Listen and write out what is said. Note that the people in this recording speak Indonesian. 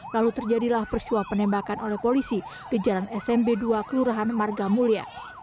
lalu terjadilah peristiwa penembakan oleh polisi di jalan smb dua kelurahan marga mulia